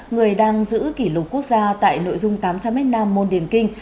người đang giữ kỷ lục quốc gia tại nội dung tám trăm linh m nam môn điển kinh